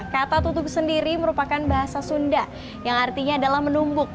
kata tutup sendiri merupakan bahasa sunda yang artinya adalah menumbuk